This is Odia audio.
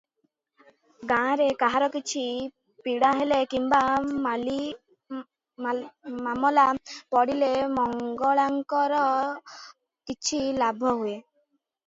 ଗାଁରେ କାହାରିକିଛି ପୀଡ଼ାହେଲେ କିମ୍ବା ମାଲିମାମଲା ପଡ଼ିଲେ ମଙ୍ଗଳାଙ୍କର କିଛିଲାଭହୁଏ ।